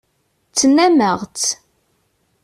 Ttnnameɣ-tt.